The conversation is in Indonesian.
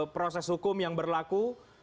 proses hukum yang berlaku